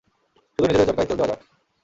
শুধু নিজেদের চরকায় তেল দেয়া যাক।